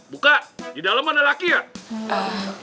buka di dalam ada laki ya